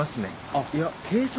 あっいや警察。